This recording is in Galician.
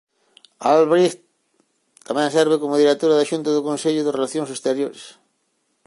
Albright tamén serve como directora da xunta do Consello de Relacións Exteriores.